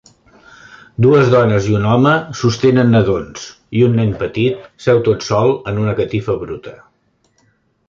Dues dones i un home sostenen nadons i un nen petit seu tot sol en una catifa bruta.